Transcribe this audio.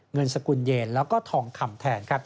เงินสกุลเยนแล้วก็ทองคำแทน